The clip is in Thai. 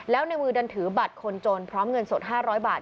แล้วในมือดันถือบัตรคนจนพร้อมเงินสด๕๐๐บาท